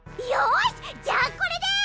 よしじゃあこれで。